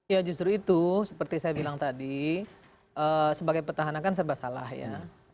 ya justru itu seperti saya bilang tadi sebagai petahana kan serba salah ya